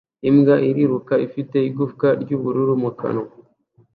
Imbwa iriruka ifite igufwa ry'ubururu mu kanwa